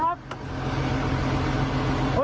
ตัวจริงอีกนานเนี่ยครับ